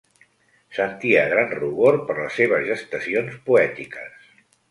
Sentia gran rubor per les seves gestacions poètiques